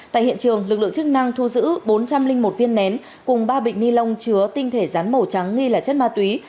tại hiện trường lực lượng chức năng thu giữ bốn trăm linh một viên nén cùng ba bịch ni lông chứa tinh thể rắn màu trắng nghi là chất ma túy